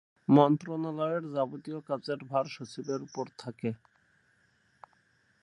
মন্ত্রণালয়ের যাবতীয় কাজের ভার সচিবের উপর থাকে।